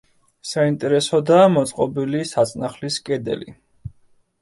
საინტერესოდაა მოწყობილი საწნახლის კედელი.